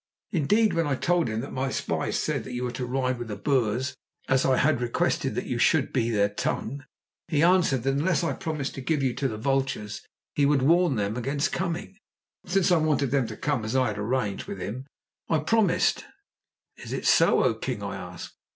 Indeed, when I told him that my spies said that you were to ride with the Boers, as I had requested that you should be their Tongue, he answered that unless I promised to give you to the vultures, he would warn them against coming. So, since I wanted them to come as I had arranged with him, I promised." "Is it so, O king?" I asked.